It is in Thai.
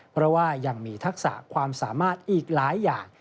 เพราะว่ายังมีทักษะความสามารถอีกหลายอย่าง